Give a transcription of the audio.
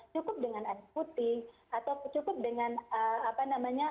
cukup dengan air putih atau cukup dengan apa namanya